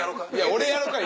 俺やるから！